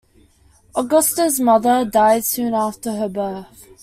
Augusta's mother died soon after her birth.